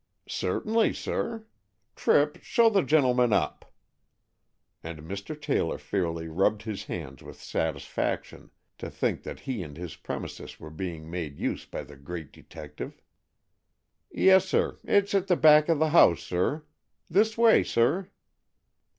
"Certainly, sir. Tripp, show the gentleman up," and Mr. Taylor fairly rubbed his hands with satisfaction to think that he and his premises were being made use of by the great detective. "Yessir. It's at the back of the house, sir. This way, sir."